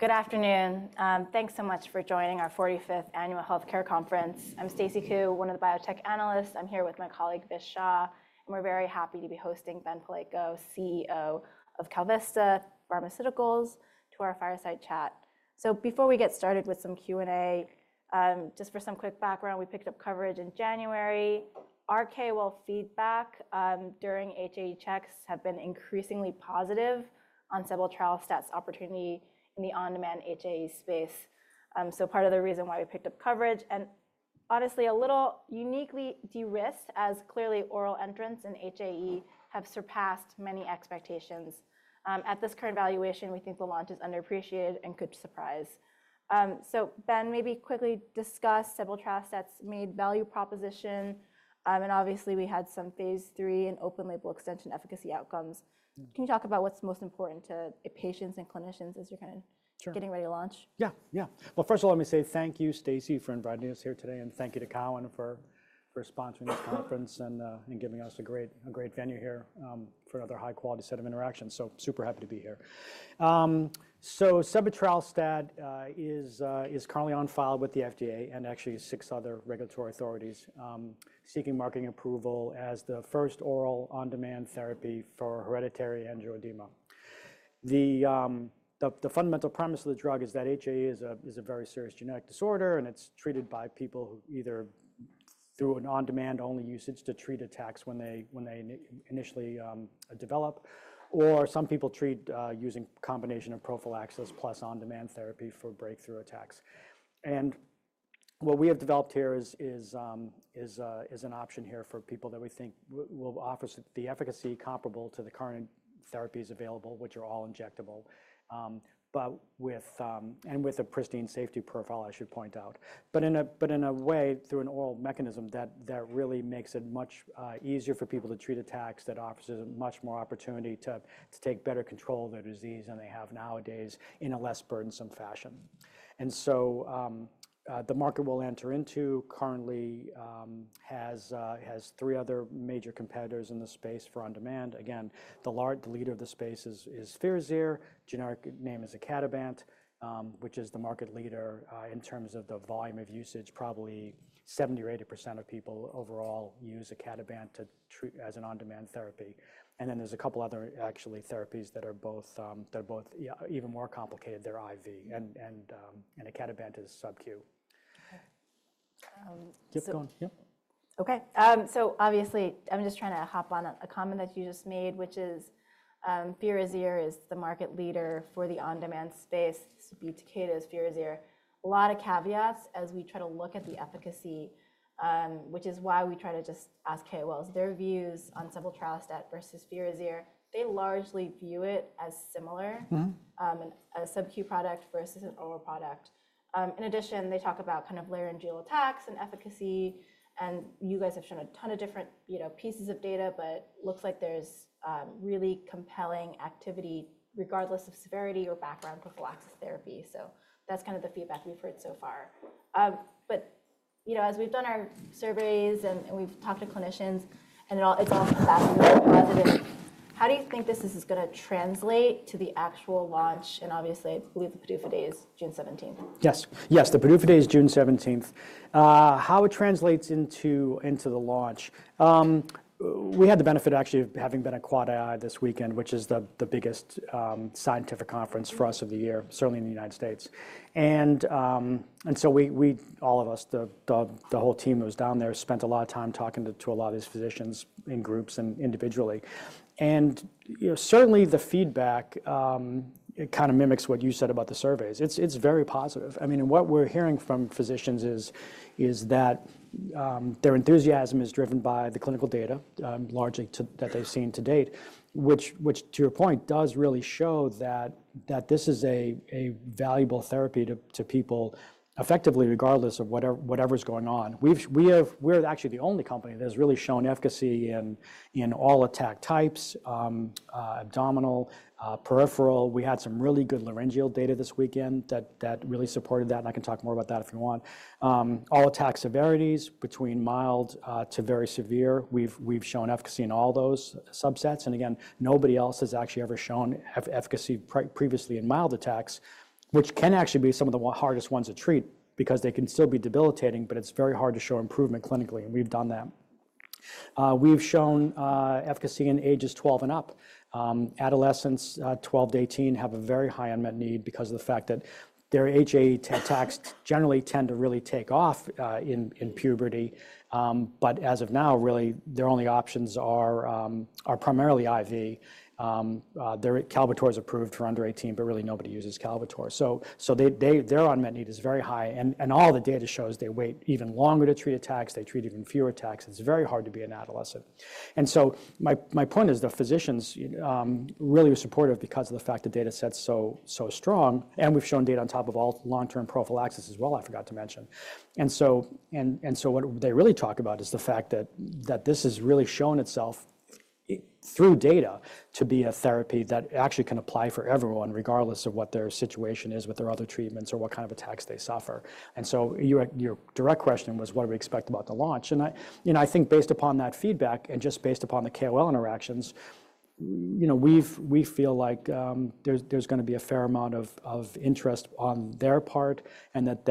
Good afternoon. Thanks so much for joining our 45th Annual Healthcare Conference. I'm Stacy Ku, one of the biotech analysts. I'm here with my colleague, Vish Shah. We're very happy to be hosting Ben Palleiko, CEO of KalVista Pharmaceuticals, to our fireside chat. Before we get started with some Q&A, just for some quick background, we picked up coverage in January. Our KOL feedback during HAE checks has been increasingly positive on several trial sets, opportunity in the on-demand HAE space. Part of the reason why we picked up coverage and honestly a little uniquely de-risked, as clearly oral entrants in HAE have surpassed many expectations. At this current valuation, we think the launch is underappreciated and could surprise. Ben, maybe quickly discuss several trial sets, main value proposition, and obviously we had some phase III and open-label extension efficacy outcomes. Can you talk about what's most important to patients and clinicians as you're kind of getting ready to launch? Yeah, yeah. First of all, let me say thank you, Stacy, for inviting us here today. Thank you to KalVista for sponsoring the conference and giving us a great venue here for another high-quality set of interactions. Super happy to be here. Sebetralstat is currently on file with the FDA and actually six other regulatory authorities seeking marketing approval as the first oral on-demand therapy for hereditary angioedema. The fundamental premise of the drug is that HAE is a very serious genetic disorder, and it's treated by people who either through an on-demand only usage to treat attacks when they initially develop, or some people treat using a combination of prophylaxis plus on-demand therapy for breakthrough attacks. What we have developed here is an option here for people that we think will offer the efficacy comparable to the current therapies available, which are all injectable, and with a pristine safety profile, I should point out. In a way, through an oral mechanism that really makes it much easier for people to treat attacks, that offers a much more opportunity to take better control of their disease than they have nowadays in a less burdensome fashion. The market we will enter into currently has three other major competitors in the space for on-demand. Again, the leader of the space is FIRAZYR. Generic name is icatibant, which is the market leader in terms of the volume of usage. Probably 70% or 80% of people overall use icatibant as an on-demand therapy. There are a couple of other actually therapies that are both even more complicated. They're IV, and icatibant is sub-Q. Keep going. Okay. Obviously, I'm just trying to hop on a comment that you just made, which is FIRAZYR is the market leader for the on-demand space. So Takeda is FIRAZYR. A lot of caveats as we try to look at the efficacy, which is why we try to just ask KOLs their views on sebetralstat versus FIRAZYR. They largely view it as similar and a sub-Q product versus an oral product. In addition, they talk about kind of laryngeal attacks and efficacy. You guys have shown a ton of different pieces of data, but it looks like there's really compelling activity regardless of severity or background prophylaxis therapy. That's kind of the feedback we've heard so far. As we've done our surveys and we've talked to clinicians, and it's all positive, how do you think this is going to translate to the actual launch? Obviously, we have the PDUFA date June 17. Yes, yes, the PDUFA date is June 17th. How it translates into the launch? We had the benefit actually of having been at AAAAI this weekend, which is the biggest scientific conference for us of the year, certainly in the United States. We, all of us, the whole team that was down there spent a lot of time talking to a lot of these physicians in groups and individually. Certainly the feedback kind of mimics what you said about the surveys. It's very positive. I mean, what we're hearing from physicians is that their enthusiasm is driven by the clinical data largely that they've seen to date, which to your point does really show that this is a valuable therapy to people effectively regardless of whatever's going on. We're actually the only company that has really shown efficacy in all attack types, abdominal, peripheral. We had some really good laryngeal data this weekend that really supported that. I can talk more about that if you want. All attack severities between mild to very severe, we've shown efficacy in all those subsets. Again, nobody else has actually ever shown efficacy previously in mild attacks, which can actually be some of the hardest ones to treat because they can still be debilitating, but it's very hard to show improvement clinically. We've done that. We've shown efficacy in ages 12 and up. Adolescents 12-18 have a very high unmet need because of the fact that their HAE attacks generally tend to really take off in puberty. As of now, really their only options are primarily IV. KALBITOR is approved for under 18, but really nobody uses Kalbitor. Their unmet need is very high. All the data shows they wait even longer to treat attacks. They treat even fewer attacks. It's very hard to be an adolescent. My point is the physicians really are supportive because of the fact the data set's so strong. We've shown data on top of all long-term prophylaxis as well, I forgot to mention. What they really talk about is the fact that this has really shown itself through data to be a therapy that actually can apply for everyone regardless of what their situation is with their other treatments or what kind of attacks they suffer. Your direct question was, what do we expect about the launch? I think based upon that feedback and just based upon the KOL interactions, we feel like there's going to be a fair amount of interest on their part and that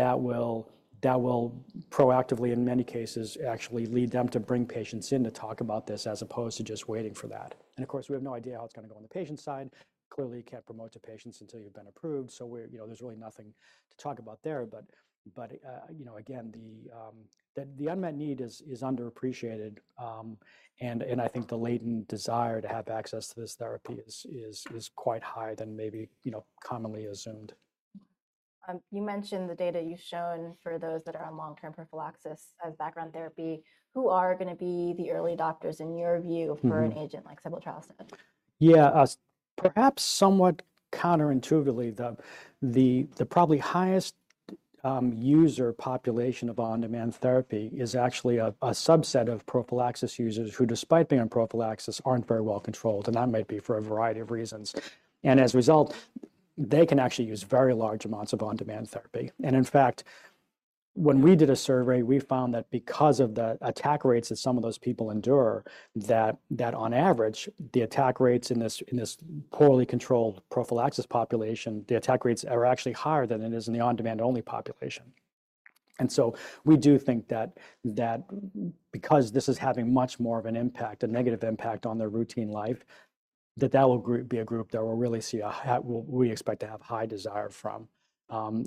that will proactively, in many cases, actually lead them to bring patients in to talk about this as opposed to just waiting for that. Of course, we have no idea how it's going to go on the patient side. Clearly, you can't promote to patients until you've been approved. There's really nothing to talk about there. Again, the unmet need is underappreciated. I think the latent desire to have access to this therapy is quite high than maybe commonly assumed. You mentioned the data you've shown for those that are on long-term prophylaxis as background therapy. Who are going to be the early doctors in your view for an agent like sebetralstat? Yeah, perhaps somewhat counterintuitively, the probably highest user population of on-demand therapy is actually a subset of prophylaxis users who, despite being on prophylaxis, aren't very well controlled. That might be for a variety of reasons. As a result, they can actually use very large amounts of on-demand therapy. In fact, when we did a survey, we found that because of the attack rates that some of those people endure, on average, the attack rates in this poorly controlled prophylaxis population, the attack rates are actually higher than it is in the on-demand-only population. We do think that because this is having much more of an impact, a negative impact on their routine life, that that will be a group that we'll really see a high, we expect to have high desire from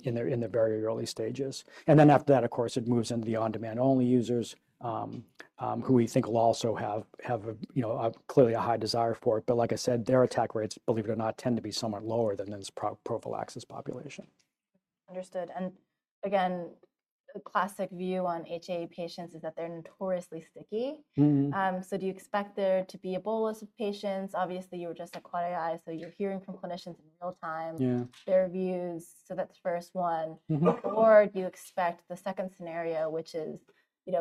in the very early stages. After that, of course, it moves into the on-demand-only users who we think will also have clearly a high desire for it. Like I said, their attack rates, believe it or not, tend to be somewhat lower than this prophylaxis population. Understood. The classic view on HAE patients is that they're notoriously sticky. Do you expect there to be a bolus of patients? Obviously, you were just at AAAAI, so you're hearing from clinicians in real time, their views. That is the first one. Do you expect the second scenario, which is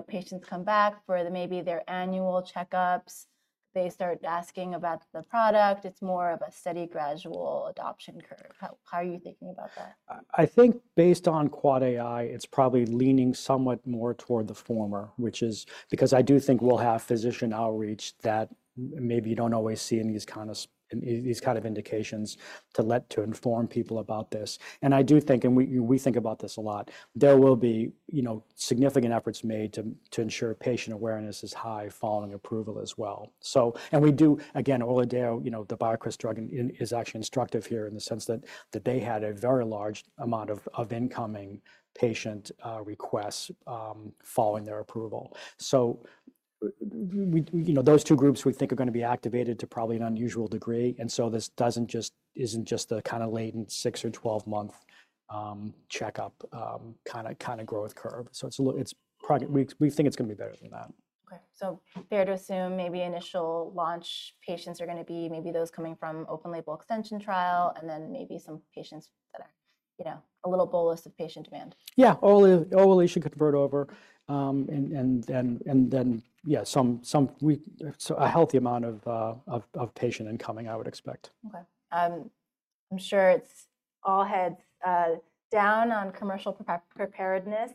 patients come back for maybe their annual checkups, they start asking about the product, it's more of a steady gradual adoption curve? How are you thinking about that? I think based on AAAAI, it's probably leaning somewhat more toward the former, which is because I do think we'll have physician outreach that maybe you don't always see in these kinds of indications to inform people about this. I do think, and we think about this a lot, there will be significant efforts made to ensure patient awareness is high following approval as well. We do, again, ORLADEYO, the BioCryst drug is actually instructive here in the sense that they had a very large amount of incoming patient requests following their approval. Those two groups we think are going to be activated to probably an unusual degree. This isn't just the kind of latent 6- or 12-month checkup kind of growth curve. We think it's going to be better than that. Okay. So fair to assume maybe initial launch patients are going to be maybe those coming from open-label extension trial and then maybe some patients that have a little bolus of patient demand. Yeah, or at least you can convert over. Yeah, a healthy amount of patient incoming, I would expect. Okay. I'm sure it's all heads down on commercial preparedness.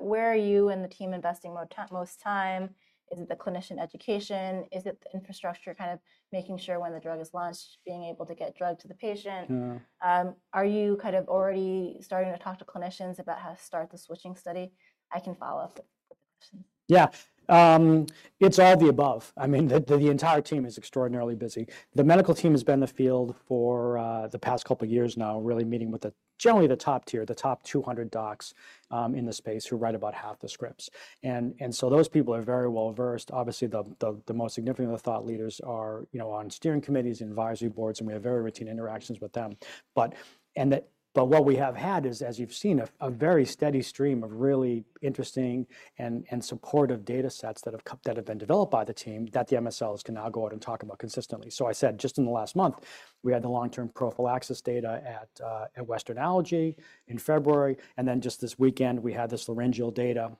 Where are you and the team investing most time? Is it the clinician education? Is it the infrastructure kind of making sure when the drug is launched, being able to get drug to the patient? Are you kind of already starting to talk to clinicians about how to start the switching study? I can follow up with that. Yeah. It's all the above. I mean, the entire team is extraordinarily busy. The medical team has been in the field for the past couple of years now, really meeting with generally the top tier, the top 200 docs in the space who write about half the scripts. Those people are very well versed. Obviously, the most significant of the thought leaders are on steering committees and advisory boards, and we have very routine interactions with them. What we have had is, as you've seen, a very steady stream of really interesting and supportive data sets that have been developed by the team that the MSLs can now go out and talk about consistently. I said just in the last month, we had the long-term prophylaxis data at Western Allergy in February. Just this weekend, we had this laryngeal data,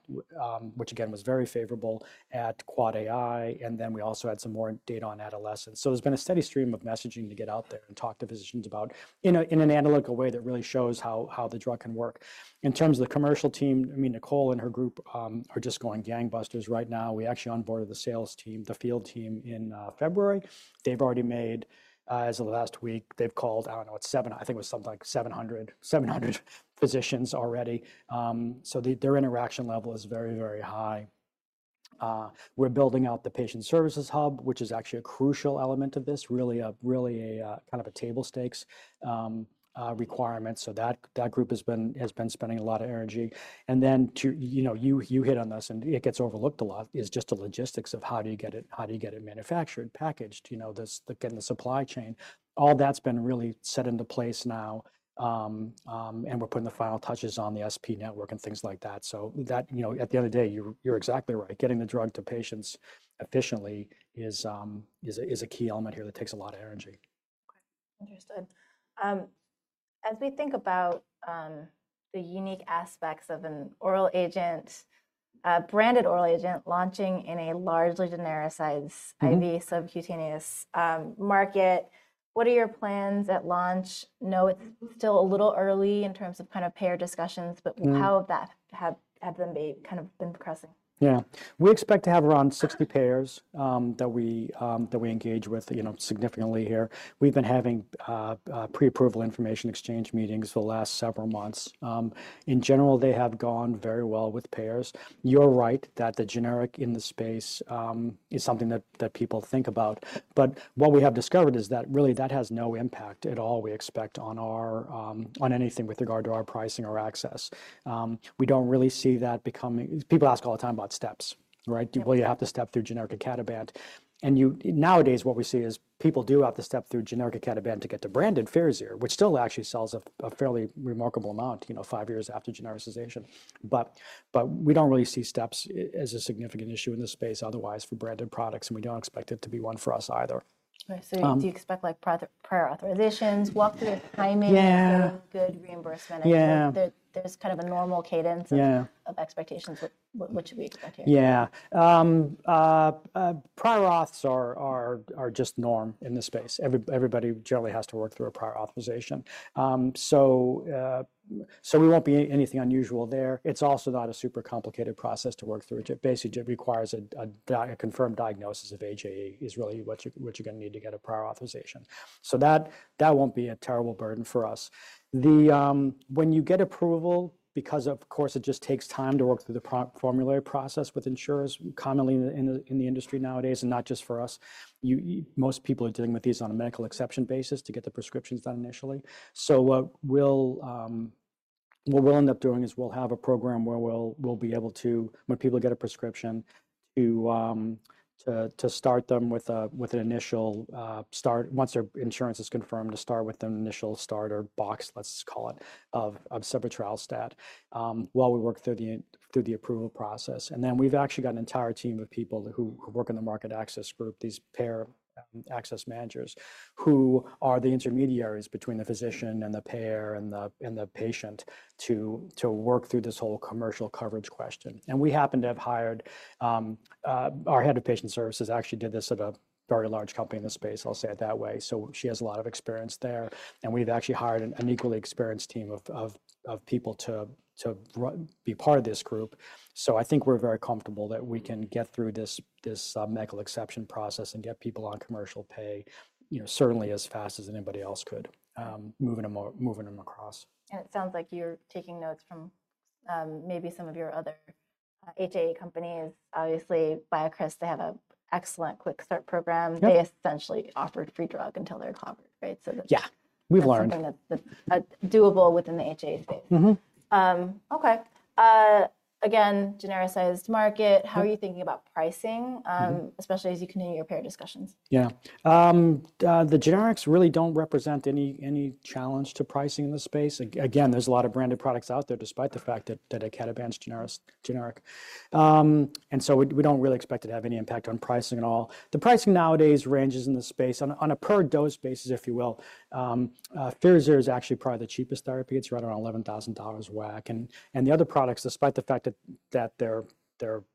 which again was very favorable at AAAAI. We also had some more data on adolescents. There has been a steady stream of messaging to get out there and talk to physicians about in an analytical way that really shows how the drug can work. In terms of the commercial team, I mean, Nicole and her group are just going gangbusters right now. We actually onboarded the sales team, the field team in February. They have already made, as of last week, they have called, I do not know, I think it was something like 700 physicians already. Their interaction level is very, very high. We are building out the patient services hub, which is actually a crucial element of this, really a kind of a table stakes requirement. That group has been spending a lot of energy. You hit on this, and it gets overlooked a lot, is just the logistics of how do you get it manufactured, packaged, again, the supply chain. All that's been really set into place now, and we're putting the final touches on the SP network and things like that. At the end of the day, you're exactly right. Getting the drug to patients efficiently is a key element here that takes a lot of energy. Okay. Understood. As we think about the unique aspects of an oral agent, branded oral agent launching in a largely genericized IV subcutaneous market, what are your plans at launch? I know it's still a little early in terms of kind of payer discussions, but how have them kind of been progressing? Yeah. We expect to have around 60 payers that we engage with significantly here. We've been having pre-approval information exchange meetings for the last several months. In general, they have gone very well with payers. You're right that the generic in the space is something that people think about. What we have discovered is that really that has no impact at all, we expect, on anything with regard to our pricing or access. We don't really see that becoming—people ask all the time about steps, right? Will you have to step through generic icatibant? Nowadays, what we see is people do have to step through generic icatibant to get to branded FIRAZYR, which still actually sells a fairly remarkable amount five years after genericization. We do not really see steps as a significant issue in this space otherwise for branded products, and we do not expect it to be one for us either. I see. Do you expect prior authorizations, walk-through timing, good reimbursement? There is kind of a normal cadence of expectations, which we expect. Yeah. Prior auths are just norm in this space. Everybody generally has to work through a prior authorization. There won't be anything unusual there. It's also not a super complicated process to work through. Basically, it requires a confirmed diagnosis of HAE is really what you're going to need to get a prior authorization. That won't be a terrible burden for us. When you get approval, it just takes time to work through the formulary process with insurers commonly in the industry nowadays, and not just for us. Most people are dealing with these on a medical exception basis to get the prescriptions done initially. What we'll end up doing is we'll have a program where we'll be able to, when people get a prescription, start them with an initial start once their insurance is confirmed to start with an initial starter box, let's just call it, of sebetralstat while we work through the approval process. We've actually got an entire team of people who work in the market access group, these payer access managers, who are the intermediaries between the physician and the payer and the patient to work through this whole commercial coverage question. We happen to have hired our Head of Patient Services who actually did this at a very large company in the space, I'll say it that way. She has a lot of experience there. We've actually hired an equally experienced team of people to be part of this group. I think we're very comfortable that we can get through this medical exception process and get people on commercial pay certainly as fast as anybody else could, moving them across. It sounds like you're taking notes from maybe some of your other HAE companies. Obviously, BioCryst, they have an excellent quick start program. They essentially offered free drug until they're covered, right? Yeah. We've learned. Something that's doable within the HAE space. Okay. Again, genericized market. How are you thinking about pricing, especially as you continue your payer discussions? Yeah. The generics really do not represent any challenge to pricing in this space. Again, there is a lot of branded products out there despite the fact that icatibant is generic. We do not really expect it to have any impact on pricing at all. The pricing nowadays ranges in the space on a per-dose basis, if you will. FIRAZYR is actually probably the cheapest therapy. It is right around $11,000 WAC. The other products, despite the fact that their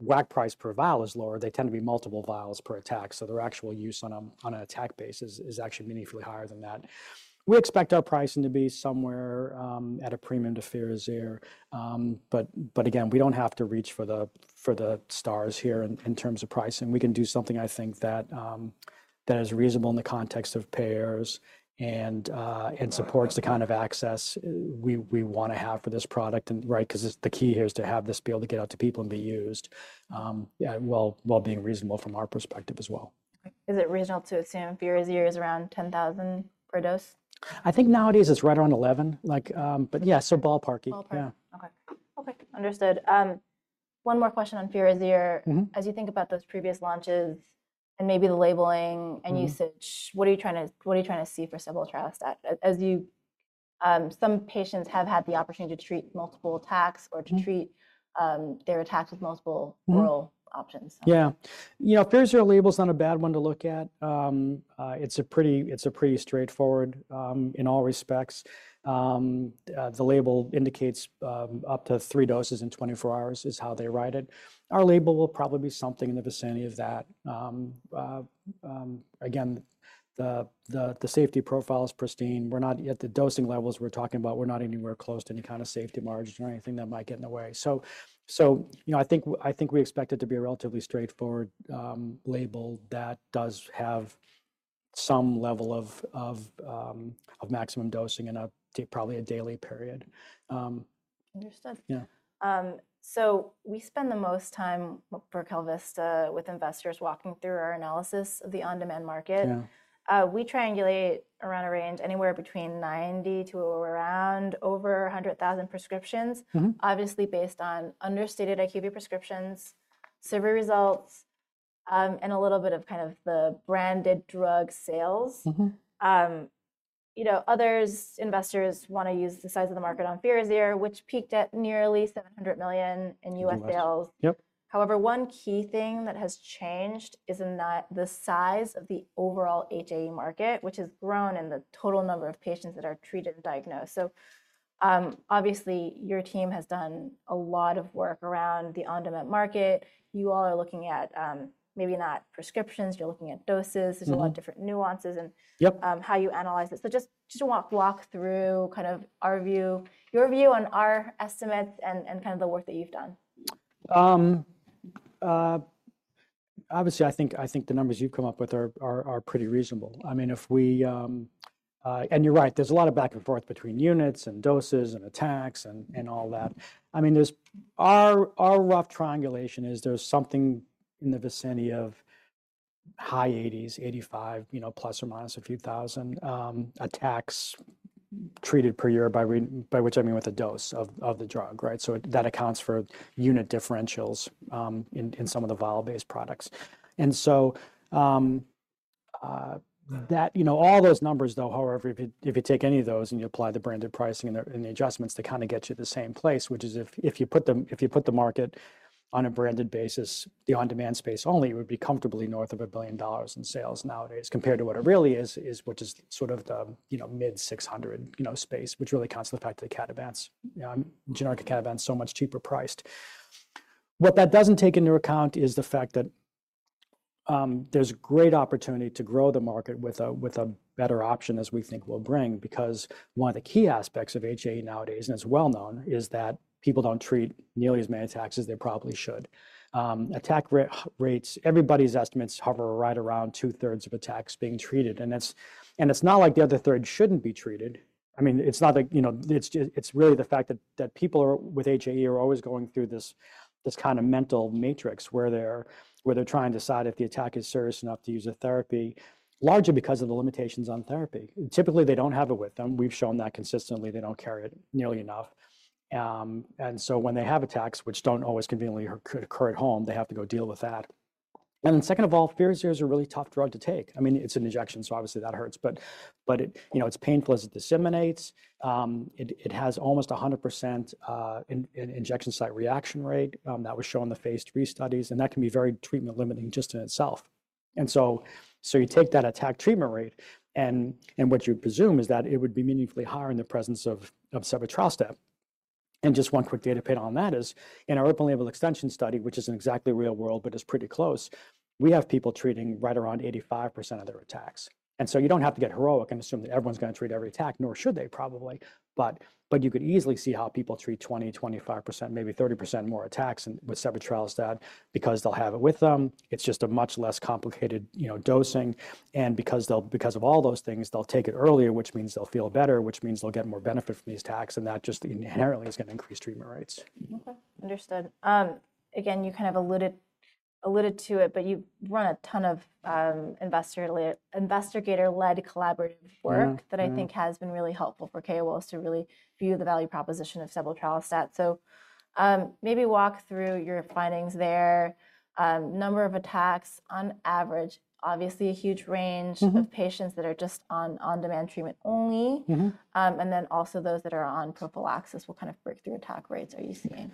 WAC price per vial is lower, tend to be multiple vials per attack. Their actual use on an attack basis is actually meaningfully higher than that. We expect our pricing to be somewhere at a premium to FIRAZYR. We do not have to reach for the stars here in terms of pricing. We can do something, I think, that is reasonable in the context of payers and supports the kind of access we want to have for this product, right? Because the key here is to have this be able to get out to people and be used while being reasonable from our perspective as well. Is it reasonable to assume FIRAZYR is around $10,000 per dose? I think nowadays it's right around 11. Yeah, ballparky. Ballparky. Okay. Okay. Understood. One more question on FIRAZYR As you think about those previous launches and maybe the labeling and usage, what are you trying to see for sebetralstat? Some patients have had the opportunity to treat multiple attacks or to treat their attacks with multiple oral options. Yeah. FIRAZYR label's not a bad one to look at. It's pretty straightforward in all respects. The label indicates up to three doses in 24 hours is how they write it. Our label will probably be something in the vicinity of that. Again, the safety profile is pristine. We're not yet at the dosing levels we're talking about. We're not anywhere close to any kind of safety margin or anything that might get in the way. I think we expect it to be a relatively straightforward label that does have some level of maximum dosing in probably a daily period. Understood. We spend the most time for KalVista with investors walking through our analysis of the on-demand market. We triangulate around a range anywhere between 90 to around over 100,000 prescriptions, obviously based on understated IQVIA prescriptions, survey results, and a little bit of kind of the branded drug sales. Other investors want to use the size of the market on FIRAZYR, which peaked at nearly $700 million in US sales. However, one key thing that has changed is the size of the overall HAE market, which has grown in the total number of patients that are treated and diagnosed. Obviously, your team has done a lot of work around the on-demand market. You all are looking at maybe not prescriptions, you're looking at doses. There's a lot of different nuances in how you analyze it. Just walk through kind of our view, your view on our estimates and kind of the work that you've done. Obviously, I think the numbers you've come up with are pretty reasonable. I mean, if we—and you're right, there's a lot of back and forth between units and doses and attacks and all that. I mean, our rough triangulation is there's something in the vicinity of high 80s, 85 plus or minus a few thousand attacks treated per year, by which I mean with a dose of the drug, right? So that accounts for unit differentials in some of the vial-based products. All those numbers, though, however, if you take any of those and you apply the branded pricing and the adjustments to kind of get you to the same place, which is if you put the market on a branded basis, the on-demand space only would be comfortably north of $1 billion in sales nowadays compared to what it really is, which is sort of the mid-$600 million space, which really counts the fact that icatibant's generic icatibant is so much cheaper priced. What that does not take into account is the fact that there is great opportunity to grow the market with a better option, as we think we will bring, because one of the key aspects of HAE nowadays, and it is well known, is that people do not treat nearly as many attacks as they probably should. Attack rates, everybody's estimates hover right around two-thirds of attacks being treated. It is not like the other third should not be treated. I mean, it is not like it is really the fact that people with HAE are always going through this kind of mental matrix where they are trying to decide if the attack is serious enough to use a therapy, largely because of the limitations on therapy. Typically, they do not have it with them. We have shown that consistently. They do not carry it nearly enough. When they have attacks, which do not always conveniently occur at home, they have to go deal with that. Second of all, FIRAZYR is a really tough drug to take. I mean, it is an injection, so obviously that hurts. It is painful as it disseminates. It has almost 100% injection site reaction rate that was shown in the phase three studies. That can be very treatment limiting just in itself. You take that attack treatment rate, and what you'd presume is that it would be meaningfully higher in the presence of sebetralstat. Just one quick data pin on that is in our open label extension study, which isn't exactly real world, but it's pretty close, we have people treating right around 85% of their attacks. You don't have to get heroic and assume that everyone's going to treat every attack, nor should they probably. You could easily see how people treat 20%, 25%, maybe 30% more attacks with sebetralstat because they'll have it with them. It's just a much less complicated dosing. Because of all those things, they'll take it earlier, which means they'll feel better, which means they'll get more benefit from these attacks. That just inherently is going to increase treatment rates. Okay. Understood. Again, you kind of alluded to it, but you run a ton of investigator-led collaborative work that I think has been really helpful for KalVista to really view the value proposition of sebetralstat. Maybe walk through your findings there. Number of attacks on average, obviously a huge range of patients that are just on on-demand treatment only. And then also those that are on prophylaxis, what kind of breakthrough attack rates are you seeing?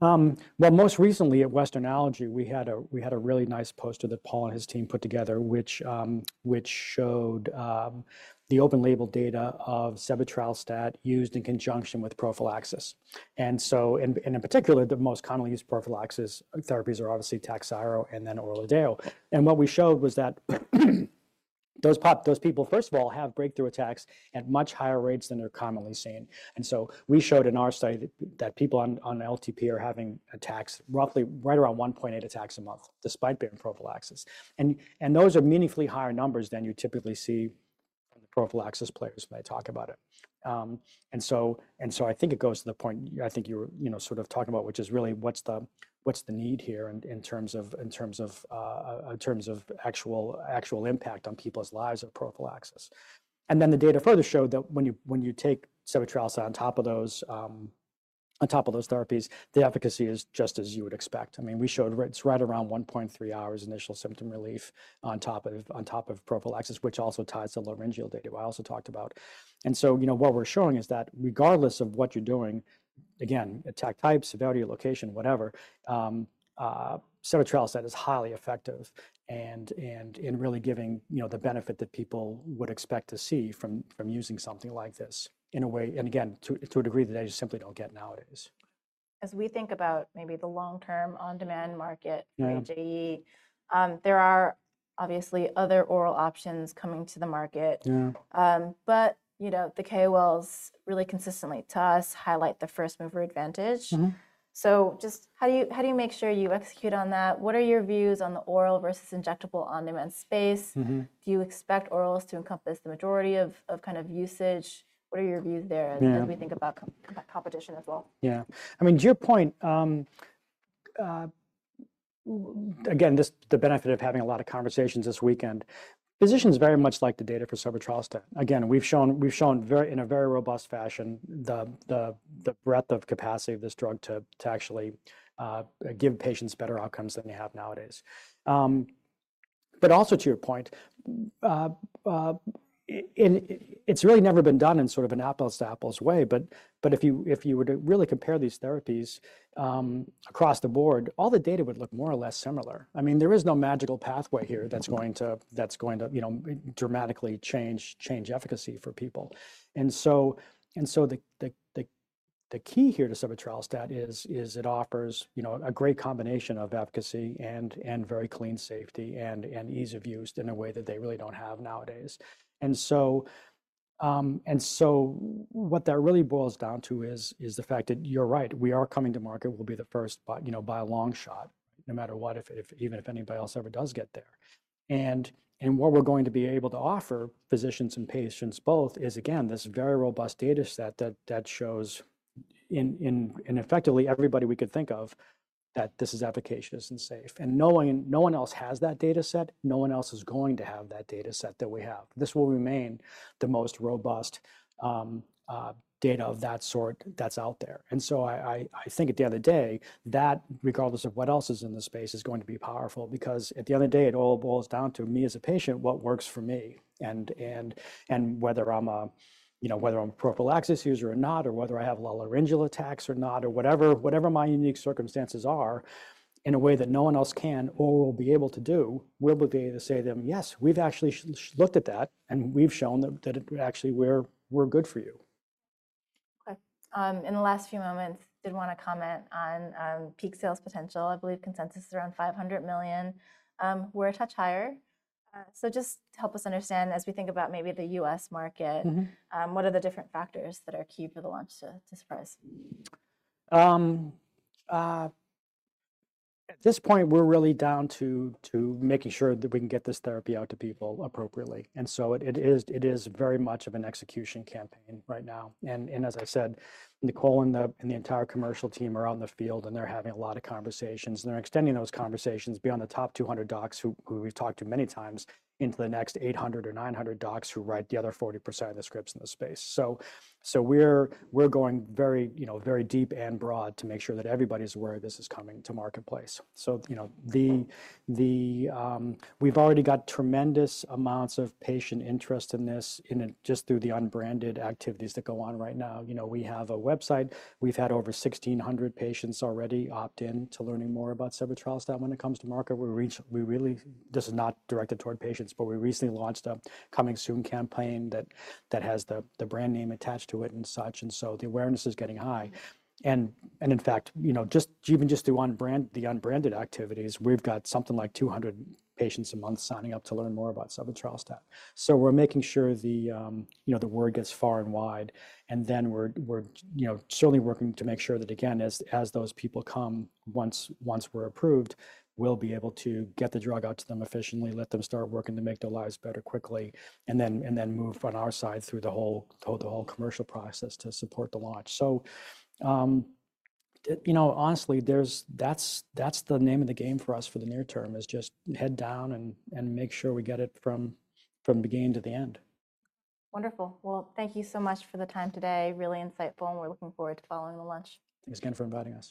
Most recently at Western Allergy, we had a really nice poster that Paul and his team put together, which showed the open label data of sebetralstat used in conjunction with prophylaxis. In particular, the most commonly used prophylaxis therapies are obviously TAKHZYRO and then ORLADEYO. What we showed was that those people, first of all, have breakthrough attacks at much higher rates than are commonly seen. We showed in our study that people on LTP are having attacks roughly right around 1.8 attacks a month, despite being on prophylaxis. Those are meaningfully higher numbers than you typically see in the prophylaxis players when they talk about it. I think it goes to the point I think you were sort of talking about, which is really what's the need here in terms of actual impact on people's lives of prophylaxis. The data further showed that when you take sebetralstat on top of those therapies, the efficacy is just as you would expect. I mean, we showed it's right around 1.3 hours initial symptom relief on top of prophylaxis, which also ties to laryngeal data I also talked about. What we're showing is that regardless of what you're doing, again, attack type, severity, location, whatever, sebetralstat is highly effective in really giving the benefit that people would expect to see from using something like this in a way, and again, to a degree that they just simply don't get nowadays. As we think about maybe the long-term on-demand market, HAE, there are obviously other oral options coming to the market. The KalVista team really consistently to us highlight the first mover advantage. Just how do you make sure you execute on that? What are your views on the oral versus injectable on-demand space? Do you expect orals to encompass the majority of kind of usage? What are your views there as we think about competition as well? Yeah. I mean, to your point, again, just the benefit of having a lot of conversations this weekend, physicians very much like the data for sebetralstat. Again, we've shown in a very robust fashion the breadth of capacity of this drug to actually give patients better outcomes than you have nowadays. Also to your point, it's really never been done in sort of an apples-to-apples way. If you were to really compare these therapies across the board, all the data would look more or less similar. I mean, there is no magical pathway here that's going to dramatically change efficacy for people. The key here to sebetralstat is it offers a great combination of efficacy and very clean safety and ease of use in a way that they really don't have nowadays. What that really boils down to is the fact that you're right, we are coming to market, we'll be the first by a long shot, no matter what, even if anybody else ever does get there. What we're going to be able to offer physicians and patients both is, again, this very robust data set that shows in effectively everybody we could think of that this is efficacious and safe. No one else has that data set. No one else is going to have that data set that we have. This will remain the most robust data of that sort that's out there. I think at the end of the day, that regardless of what else is in the space is going to be powerful because at the end of the day, it all boils down to me as a patient, what works for me and whether I'm a prophylaxis user or not, or whether I have laryngeal attacks or not, or whatever my unique circumstances are in a way that no one else can or will be able to do, we'll be able to say to them, "Yes, we've actually looked at that and we've shown that actually we're good for you. Okay. In the last few moments, did want to comment on peak sales potential. I believe consensus is around $500 million. We're a touch higher. Just help us understand as we think about maybe the US market, what are the different factors that are key for the launch to surprise? At this point, we're really down to making sure that we can get this therapy out to people appropriately. It is very much of an execution campaign right now. As I said, Nicole and the entire commercial team are out in the field and they're having a lot of conversations. They're extending those conversations beyond the top 200 docs who we've talked to many times into the next 800 or 900 docs who write the other 40% of the scripts in the space. We're going very deep and broad to make sure that everybody's aware this is coming to marketplace. We've already got tremendous amounts of patient interest in this just through the unbranded activities that go on right now. We have a website. We've had over 1,600 patients already opt in to learning more about sebetralstat when it comes to market. This is not directed toward patients, but we recently launched a coming soon campaign that has the brand name attached to it and such. The awareness is getting high. In fact, even just through the unbranded activities, we've got something like 200 patients a month signing up to learn more about sebetralstat. We're making sure the word gets far and wide. We're certainly working to make sure that, again, as those people come once we're approved, we'll be able to get the drug out to them efficiently, let them start working to make their lives better quickly, and move from our side through the whole commercial process to support the launch. Honestly, that's the name of the game for us for the near term, just head down and make sure we get it from beginning to the end. Wonderful. Thank you so much for the time today. Really insightful. We are looking forward to following the launch. Thanks again for inviting us.